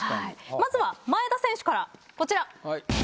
まずは前田選手から、こちら。